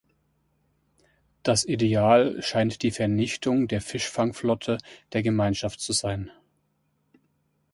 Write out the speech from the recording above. Das Ideal scheint die Vernichtung der Fischfangflotte der Gemeinschaft zu sein.